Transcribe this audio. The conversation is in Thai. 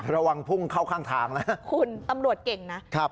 ระวังพุ่งเข้าข้างทางนะคุณตำรวจเก่งนะครับ